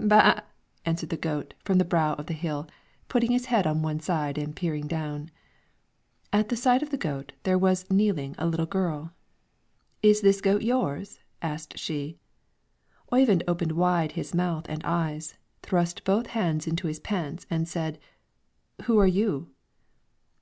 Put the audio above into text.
"Ba a a a!" answered the goat, from the brow of the hill, putting its head on one side and peering down. At the side of the goat there was kneeling a little girl. "Is this goat yours?" asked she. Oyvind opened wide his mouth and eyes, thrust both hands into his pants and said, "Who are you?"